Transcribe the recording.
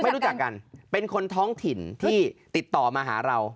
รู้จักกันเป็นคนท้องถิ่นที่ติดต่อมาหาเรา